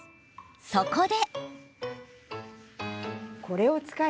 そこで。